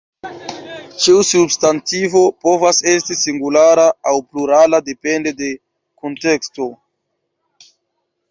Ĉiu substantivo povas esti singulara aŭ plurala depende de kunteksto.